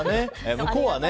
向こうはね。